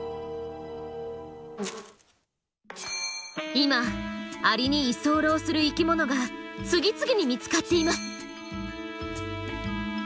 今アリに居候する生きものが次々に見つかっています。